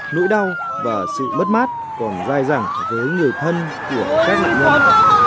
nỗi đau và sự mất mát còn dai dẳng với người thân của các nạn nhân